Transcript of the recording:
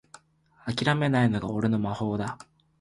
あきらめないのが俺の魔法だ